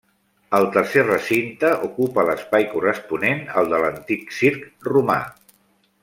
El tercer recinte ocupa l'espai corresponent al de l'antic circ romà.